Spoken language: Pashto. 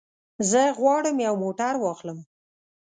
زه غواړم یو موټر واخلم.